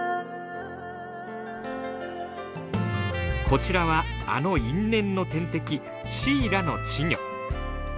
こちらはあの因縁の天敵シイラの稚魚。